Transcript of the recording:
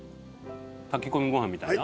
炊き込みご飯みたいな？